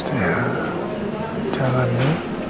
ya jangan ya